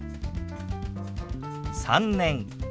「３年」。